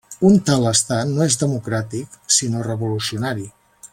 Un tal estat no és democràtic, sinó revolucionari.